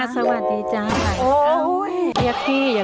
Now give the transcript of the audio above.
สวัสดีค่ะ